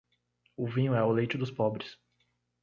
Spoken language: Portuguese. O vinho é o leite dos pobres.